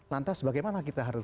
lantas bagaimana kita harus